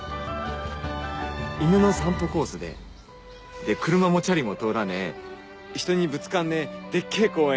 犬の散歩コースで車もチャリも通らねえひとにぶつかんねえデッケェ公園